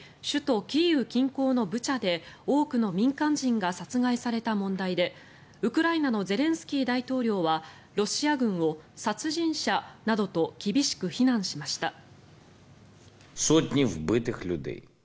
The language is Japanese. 首都キーウ近郊のブチャで多くの民間人が殺害された問題でウクライナのゼレンスキー大統領はロシア軍を殺人者などと厳しく非難しました。